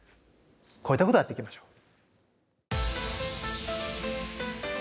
こういったことをやっていきましょう。